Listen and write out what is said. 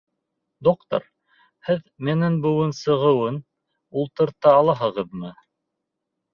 Доктор, һеҙ минең быуын сығыуын ултырта алаһығыҙмы?